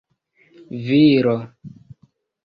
viro